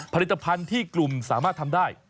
ผลิตภัณฑ์ที่กลุ่มสามารถทำได้